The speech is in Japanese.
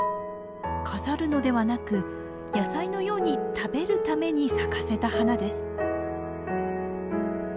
飾るのではなく野菜のように食べるために咲かせた花です。